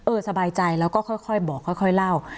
เออสบายใจแล้วก็ค่อยค่อยบอกค่อยค่อยเล่า